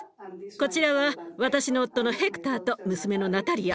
こちらは私の夫のヘクターと娘のナタリア。